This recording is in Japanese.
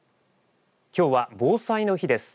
きょうは防災の日です。